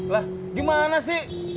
lah gimana sih